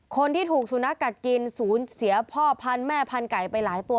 คนที่ถูกสุนัขกัดกินศูนย์เสียพ่อพันธุ์แม่พันธุไก่ไปหลายตัว